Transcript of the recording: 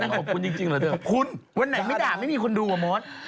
ขอบคุณวันไหนไม่ด่าไม่มีคนดูอะโม้ด